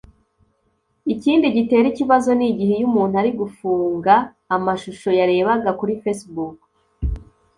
Ikindi gitera ikibazo ni igihe iyo umuntu ari gufunga amashusho yarebaga kuri facebook